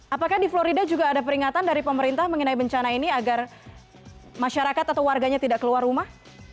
apakah di florida juga ada peringatan dari pemerintah mengenai bencana ini agar masyarakat atau warganya tidak keluar rumah